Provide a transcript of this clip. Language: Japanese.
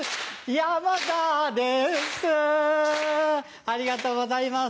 山田ですありがとうございます。